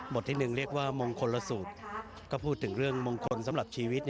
ที่๑เรียกว่ามงคลละสูตรก็พูดถึงเรื่องมงคลสำหรับชีวิต